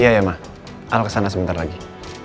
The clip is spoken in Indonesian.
iya ya ma kalau kesana sebentar lagi